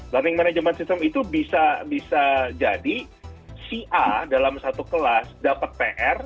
learning management system itu bisa jadi si a dalam satu kelas dapat pr